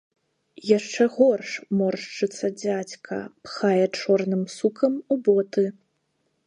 Яшчэ горш моршчыцца дзядзька, пхае чорным сукам у боты.